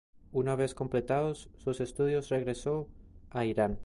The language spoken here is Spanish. Una vez completados sus estudios regresó a Irán.